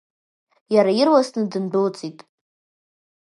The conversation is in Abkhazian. Иара ирласны дындәылҵит.